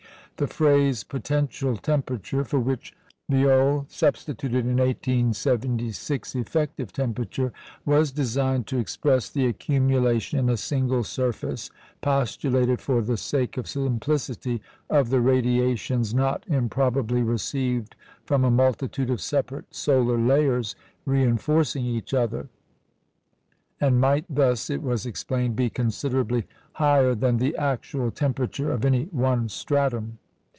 The phrase potential temperature (for which Violle substituted, in 1876, effective temperature) was designed to express the accumulation in a single surface, postulated for the sake of simplicity, of the radiations not improbably received from a multitude of separate solar layers reinforcing each other; and might thus (it was explained) be considerably higher than the actual temperature of any one stratum.